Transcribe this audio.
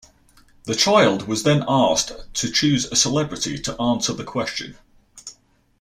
The child was then asked to choose a celebrity to answer the question.